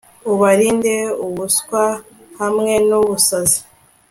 ubalinde ubuswa hamwe n,ubusazi